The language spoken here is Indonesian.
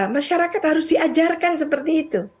masyarakat harus diajarkan seperti itu